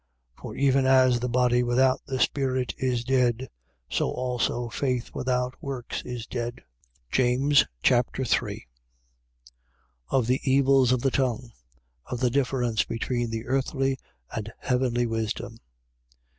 2:26. For even as the body without the spirit is dead: so also faith without works is dead. James Chapter 3 Of the evils of the tongue. Of the difference between the earthly and heavenly wisdom.